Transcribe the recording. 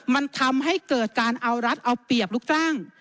มันทำให้เกิดการเอารัฐเอาเปรียบลูกจ้าง